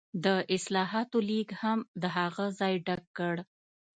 د اصلاحاتو لیګ هم د هغه ځای ډک کړ.